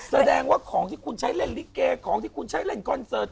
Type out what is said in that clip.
แสดงว่าของที่คุณใช้เล่นลิเกของที่คุณใช้เล่นคอนเสิร์ต